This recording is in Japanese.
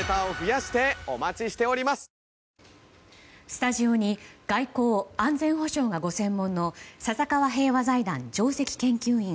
スタジオに外交・安全保障がご専門の笹川平和財団の上席研究員